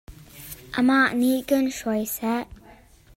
Amah nih kan hruai seh.